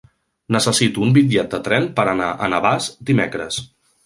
Necessito un bitllet de tren per anar a Navàs dimecres.